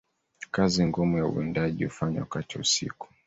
Kazi ngumu ya uwindaji hufanywa wakati wa usiku